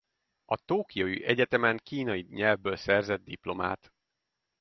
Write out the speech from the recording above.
A Tokió Egyetemen kínai nyelvből szerzett diplomát.